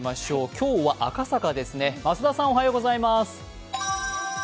今日は赤坂ですね、増田さんおはようございます。